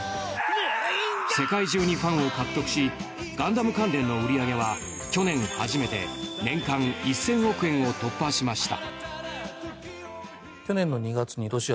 世界中にファンを獲得し「ガンダム」関連の売り上げは去年初めて年間１０００億円を突破しました。